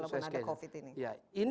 walaupun ada covid ini